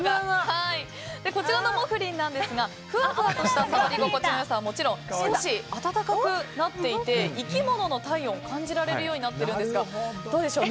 こちらのＭｏｆｌｉｎなんですがふわふわとした触り心地の良さはもちろん少し、温かくなっていて生き物の体温を感じられるようになっているんですがどうでしょう？